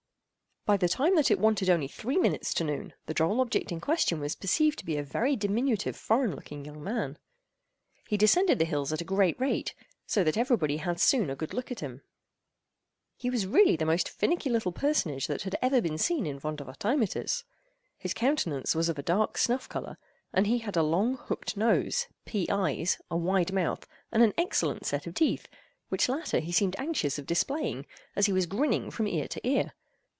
By the time that it wanted only three minutes to noon, the droll object in question was perceived to be a very diminutive foreign looking young man. He descended the hills at a great rate, so that every body had soon a good look at him. He was really the most finicky little personage that had ever been seen in Vondervotteimittiss. His countenance was of a dark snuff color, and he had a long hooked nose, pea eyes, a wide mouth, and an excellent set of teeth, which latter he seemed anxious of displaying, as he was grinning from ear to ear.